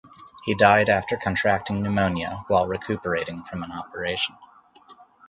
He died after contracting pneumonia while recuperating from an operation.